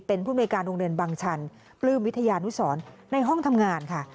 เป็นผู้มนุยการโรงเรียนบังชันปลื้มวิทยานุสรในห้องทำงานค่ะ